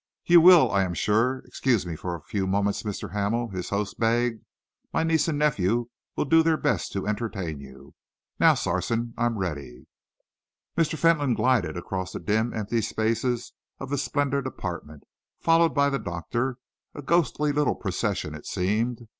"You will, I am sure, excuse me for a few moments, Mr. Hamel," his host begged. "My niece and nephew will do their best to entertain you. Now, Sarson, I am ready." Mr. Fentolin glided across the dim, empty spaces of the splendid apartment, followed by the doctor; a ghostly little procession it seemed.